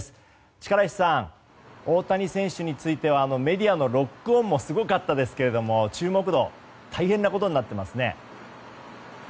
力石さん、大谷選手についてはメディアのロックオンもすごかったですが注目度大変なことになってますね。